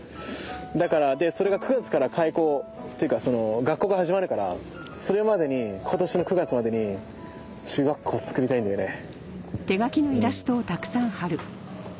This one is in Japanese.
だからそれが９月から開校っていうか学校が始まるからそれまでに今年の９月までに中学校をつくりたいんだよね。